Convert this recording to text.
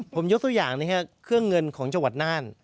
ผมยุดอย่างในค่ะเครื่องเงินของจังหวัดน่าน